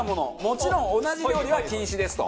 もちろん同じ料理は禁止ですと。